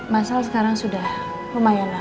masalah sekarang sudah lumayan lah